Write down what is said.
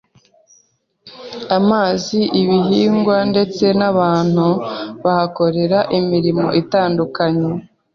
amazi, ibihingwa ndetse n'abantu bahakorera imirimo itandukanye.